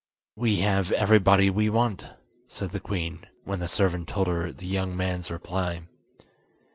"We have everybody we want," said the queen, when the servant told her the young man's reply.